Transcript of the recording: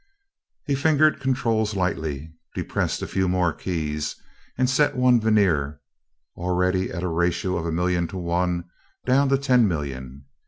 He fingered controls lightly, depressed a few more keys, and set one vernier, already at a ratio of a million to one, down to ten million.